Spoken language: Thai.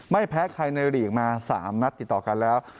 ไม่แพ้ใครในหลีกมา๓นัดติดต่อกันแล้ว